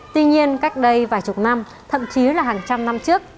tuy nhiên cách đây vài chục năm thậm chí là hàng trăm năm trước